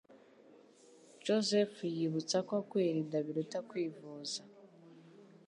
joseph yibutsa ko kwirinda biruta kwivuza